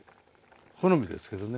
好みですけどね。